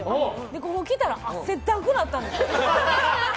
ここ来たら汗だくになったんです。